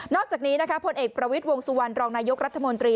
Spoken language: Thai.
อกจากนี้นะคะผลเอกประวิทย์วงสุวรรณรองนายกรัฐมนตรี